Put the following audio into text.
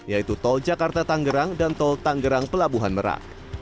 yaitu tol jakarta tangerang dan tol tangerang pelabuhan merak